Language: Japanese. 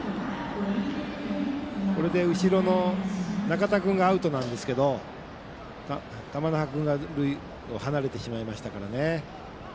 これで後ろの仲田君がアウトなんですが玉那覇君が塁を離れてしまいましたからね。